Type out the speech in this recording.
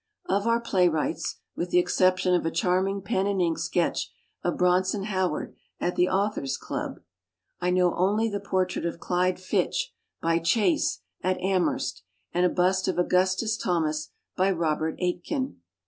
Of our playwrights (with the exception of a charming pen and ink sketch of Bronson Howard at the Au thors' Club) I know only the por trait of Clyde Fitch by Chase, at Am herst, and a bust of Augustus Thomas by Robert Aitken.